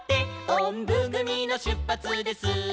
「おんぶぐみのしゅっぱつです」